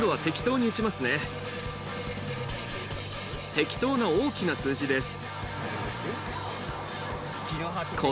適当な大きな数字です。